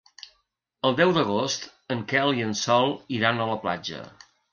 El deu d'agost en Quel i en Sol iran a la platja.